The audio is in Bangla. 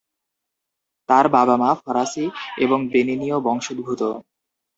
তার বাবা-মা ফরাসি এবং বেনিনীয় বংশোদ্ভূত।